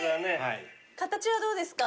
形はどうですか？